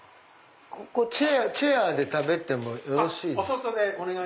チェアで食べてもよろしい？